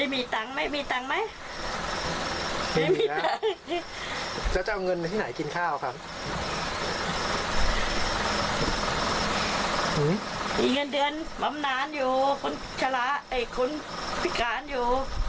มีเงินเดือนลำนานอยู่คนผิกการอยู่